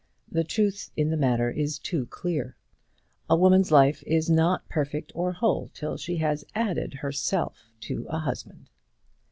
The truth in the matter is too clear. A woman's life is not perfect or whole till she has added herself to a husband.